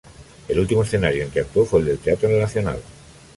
El último escenario en que actuó fue el del teatro El Nacional.